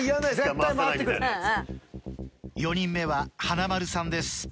４人目は華丸さんです。